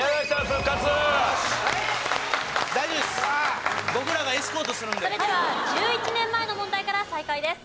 それでは１１年前の問題から再開です。